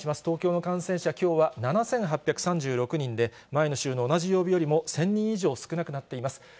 東京の感染者、きょうは７８３６人で、前の週の同じ曜日よりも１０００人以上少なくなっています。